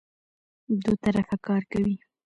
دوه طرفه کار کوي.